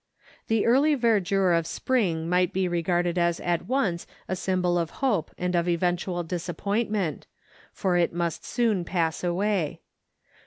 The early verdure of spring might be regarded as at once a symbol of hope and of eventual disappointment, for it must soon pass away.